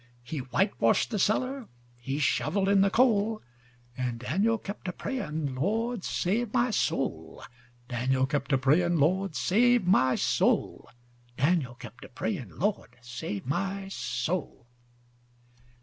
He whitewashed the cellar. He shovelled in the coal. And Daniel kept a praying:—"Lord save my soul."Daniel kept a praying:—"Lord save my soul."Daniel kept a praying:—"Lord save my soul."